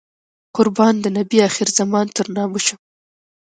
قربان د نبي اخر الزمان تر نامه شم.